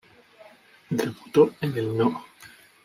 Debutó en el no.